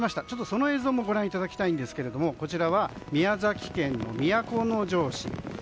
その映像もご覧いただきたいんですがこちらは宮崎県の都城市。